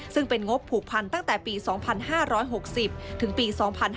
ซึ่งเป็นงบผูกพันตั้งแต่ปี๒๕๖๐ถึงปี๒๕๕๙